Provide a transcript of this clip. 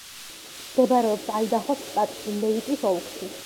მდებარეობს აიდაჰოს შტატში, ლეიტის ოლქში.